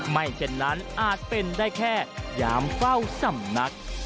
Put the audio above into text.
ไม่เช่นนั้นอาจเป็นได้แค่ยามเฝ้าสำนัก